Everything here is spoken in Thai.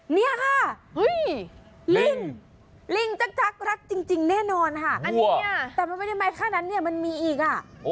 เนี่ยค่ะลิงลิงจักรรักจริงแน่นอนค่ะอันนี้แต่มันไม่ได้มาแค่นั้นเนี่ยมันมีอีกอ่ะ